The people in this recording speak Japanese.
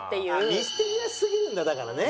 ミステリアスすぎるんだだからね。